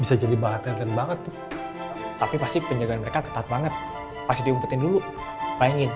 bisa jadi bahan teten banget tuh tapi pasti penjagaan mereka ketat banget pasti diumpetin dulu pengen